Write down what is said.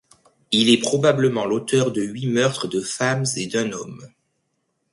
Il est probablement l'auteur de huit meurtres de femmes et d'un homme.